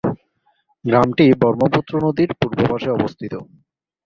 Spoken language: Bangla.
গ্রামটি ব্রহ্মপুত্র নদীর পূর্ব পাশে অবস্থিত।